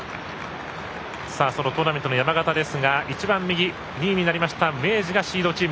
トーナメントの山型ですが一番右、２位になりました明治がシードチーム。